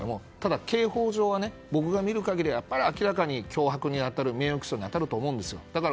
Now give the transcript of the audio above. ただ、刑法上は僕が見る限りは明らかに脅迫、名誉起訴に当たると思うんです。